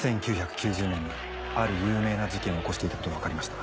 １９９０年にある有名な事件を起こしていたことが分かりました。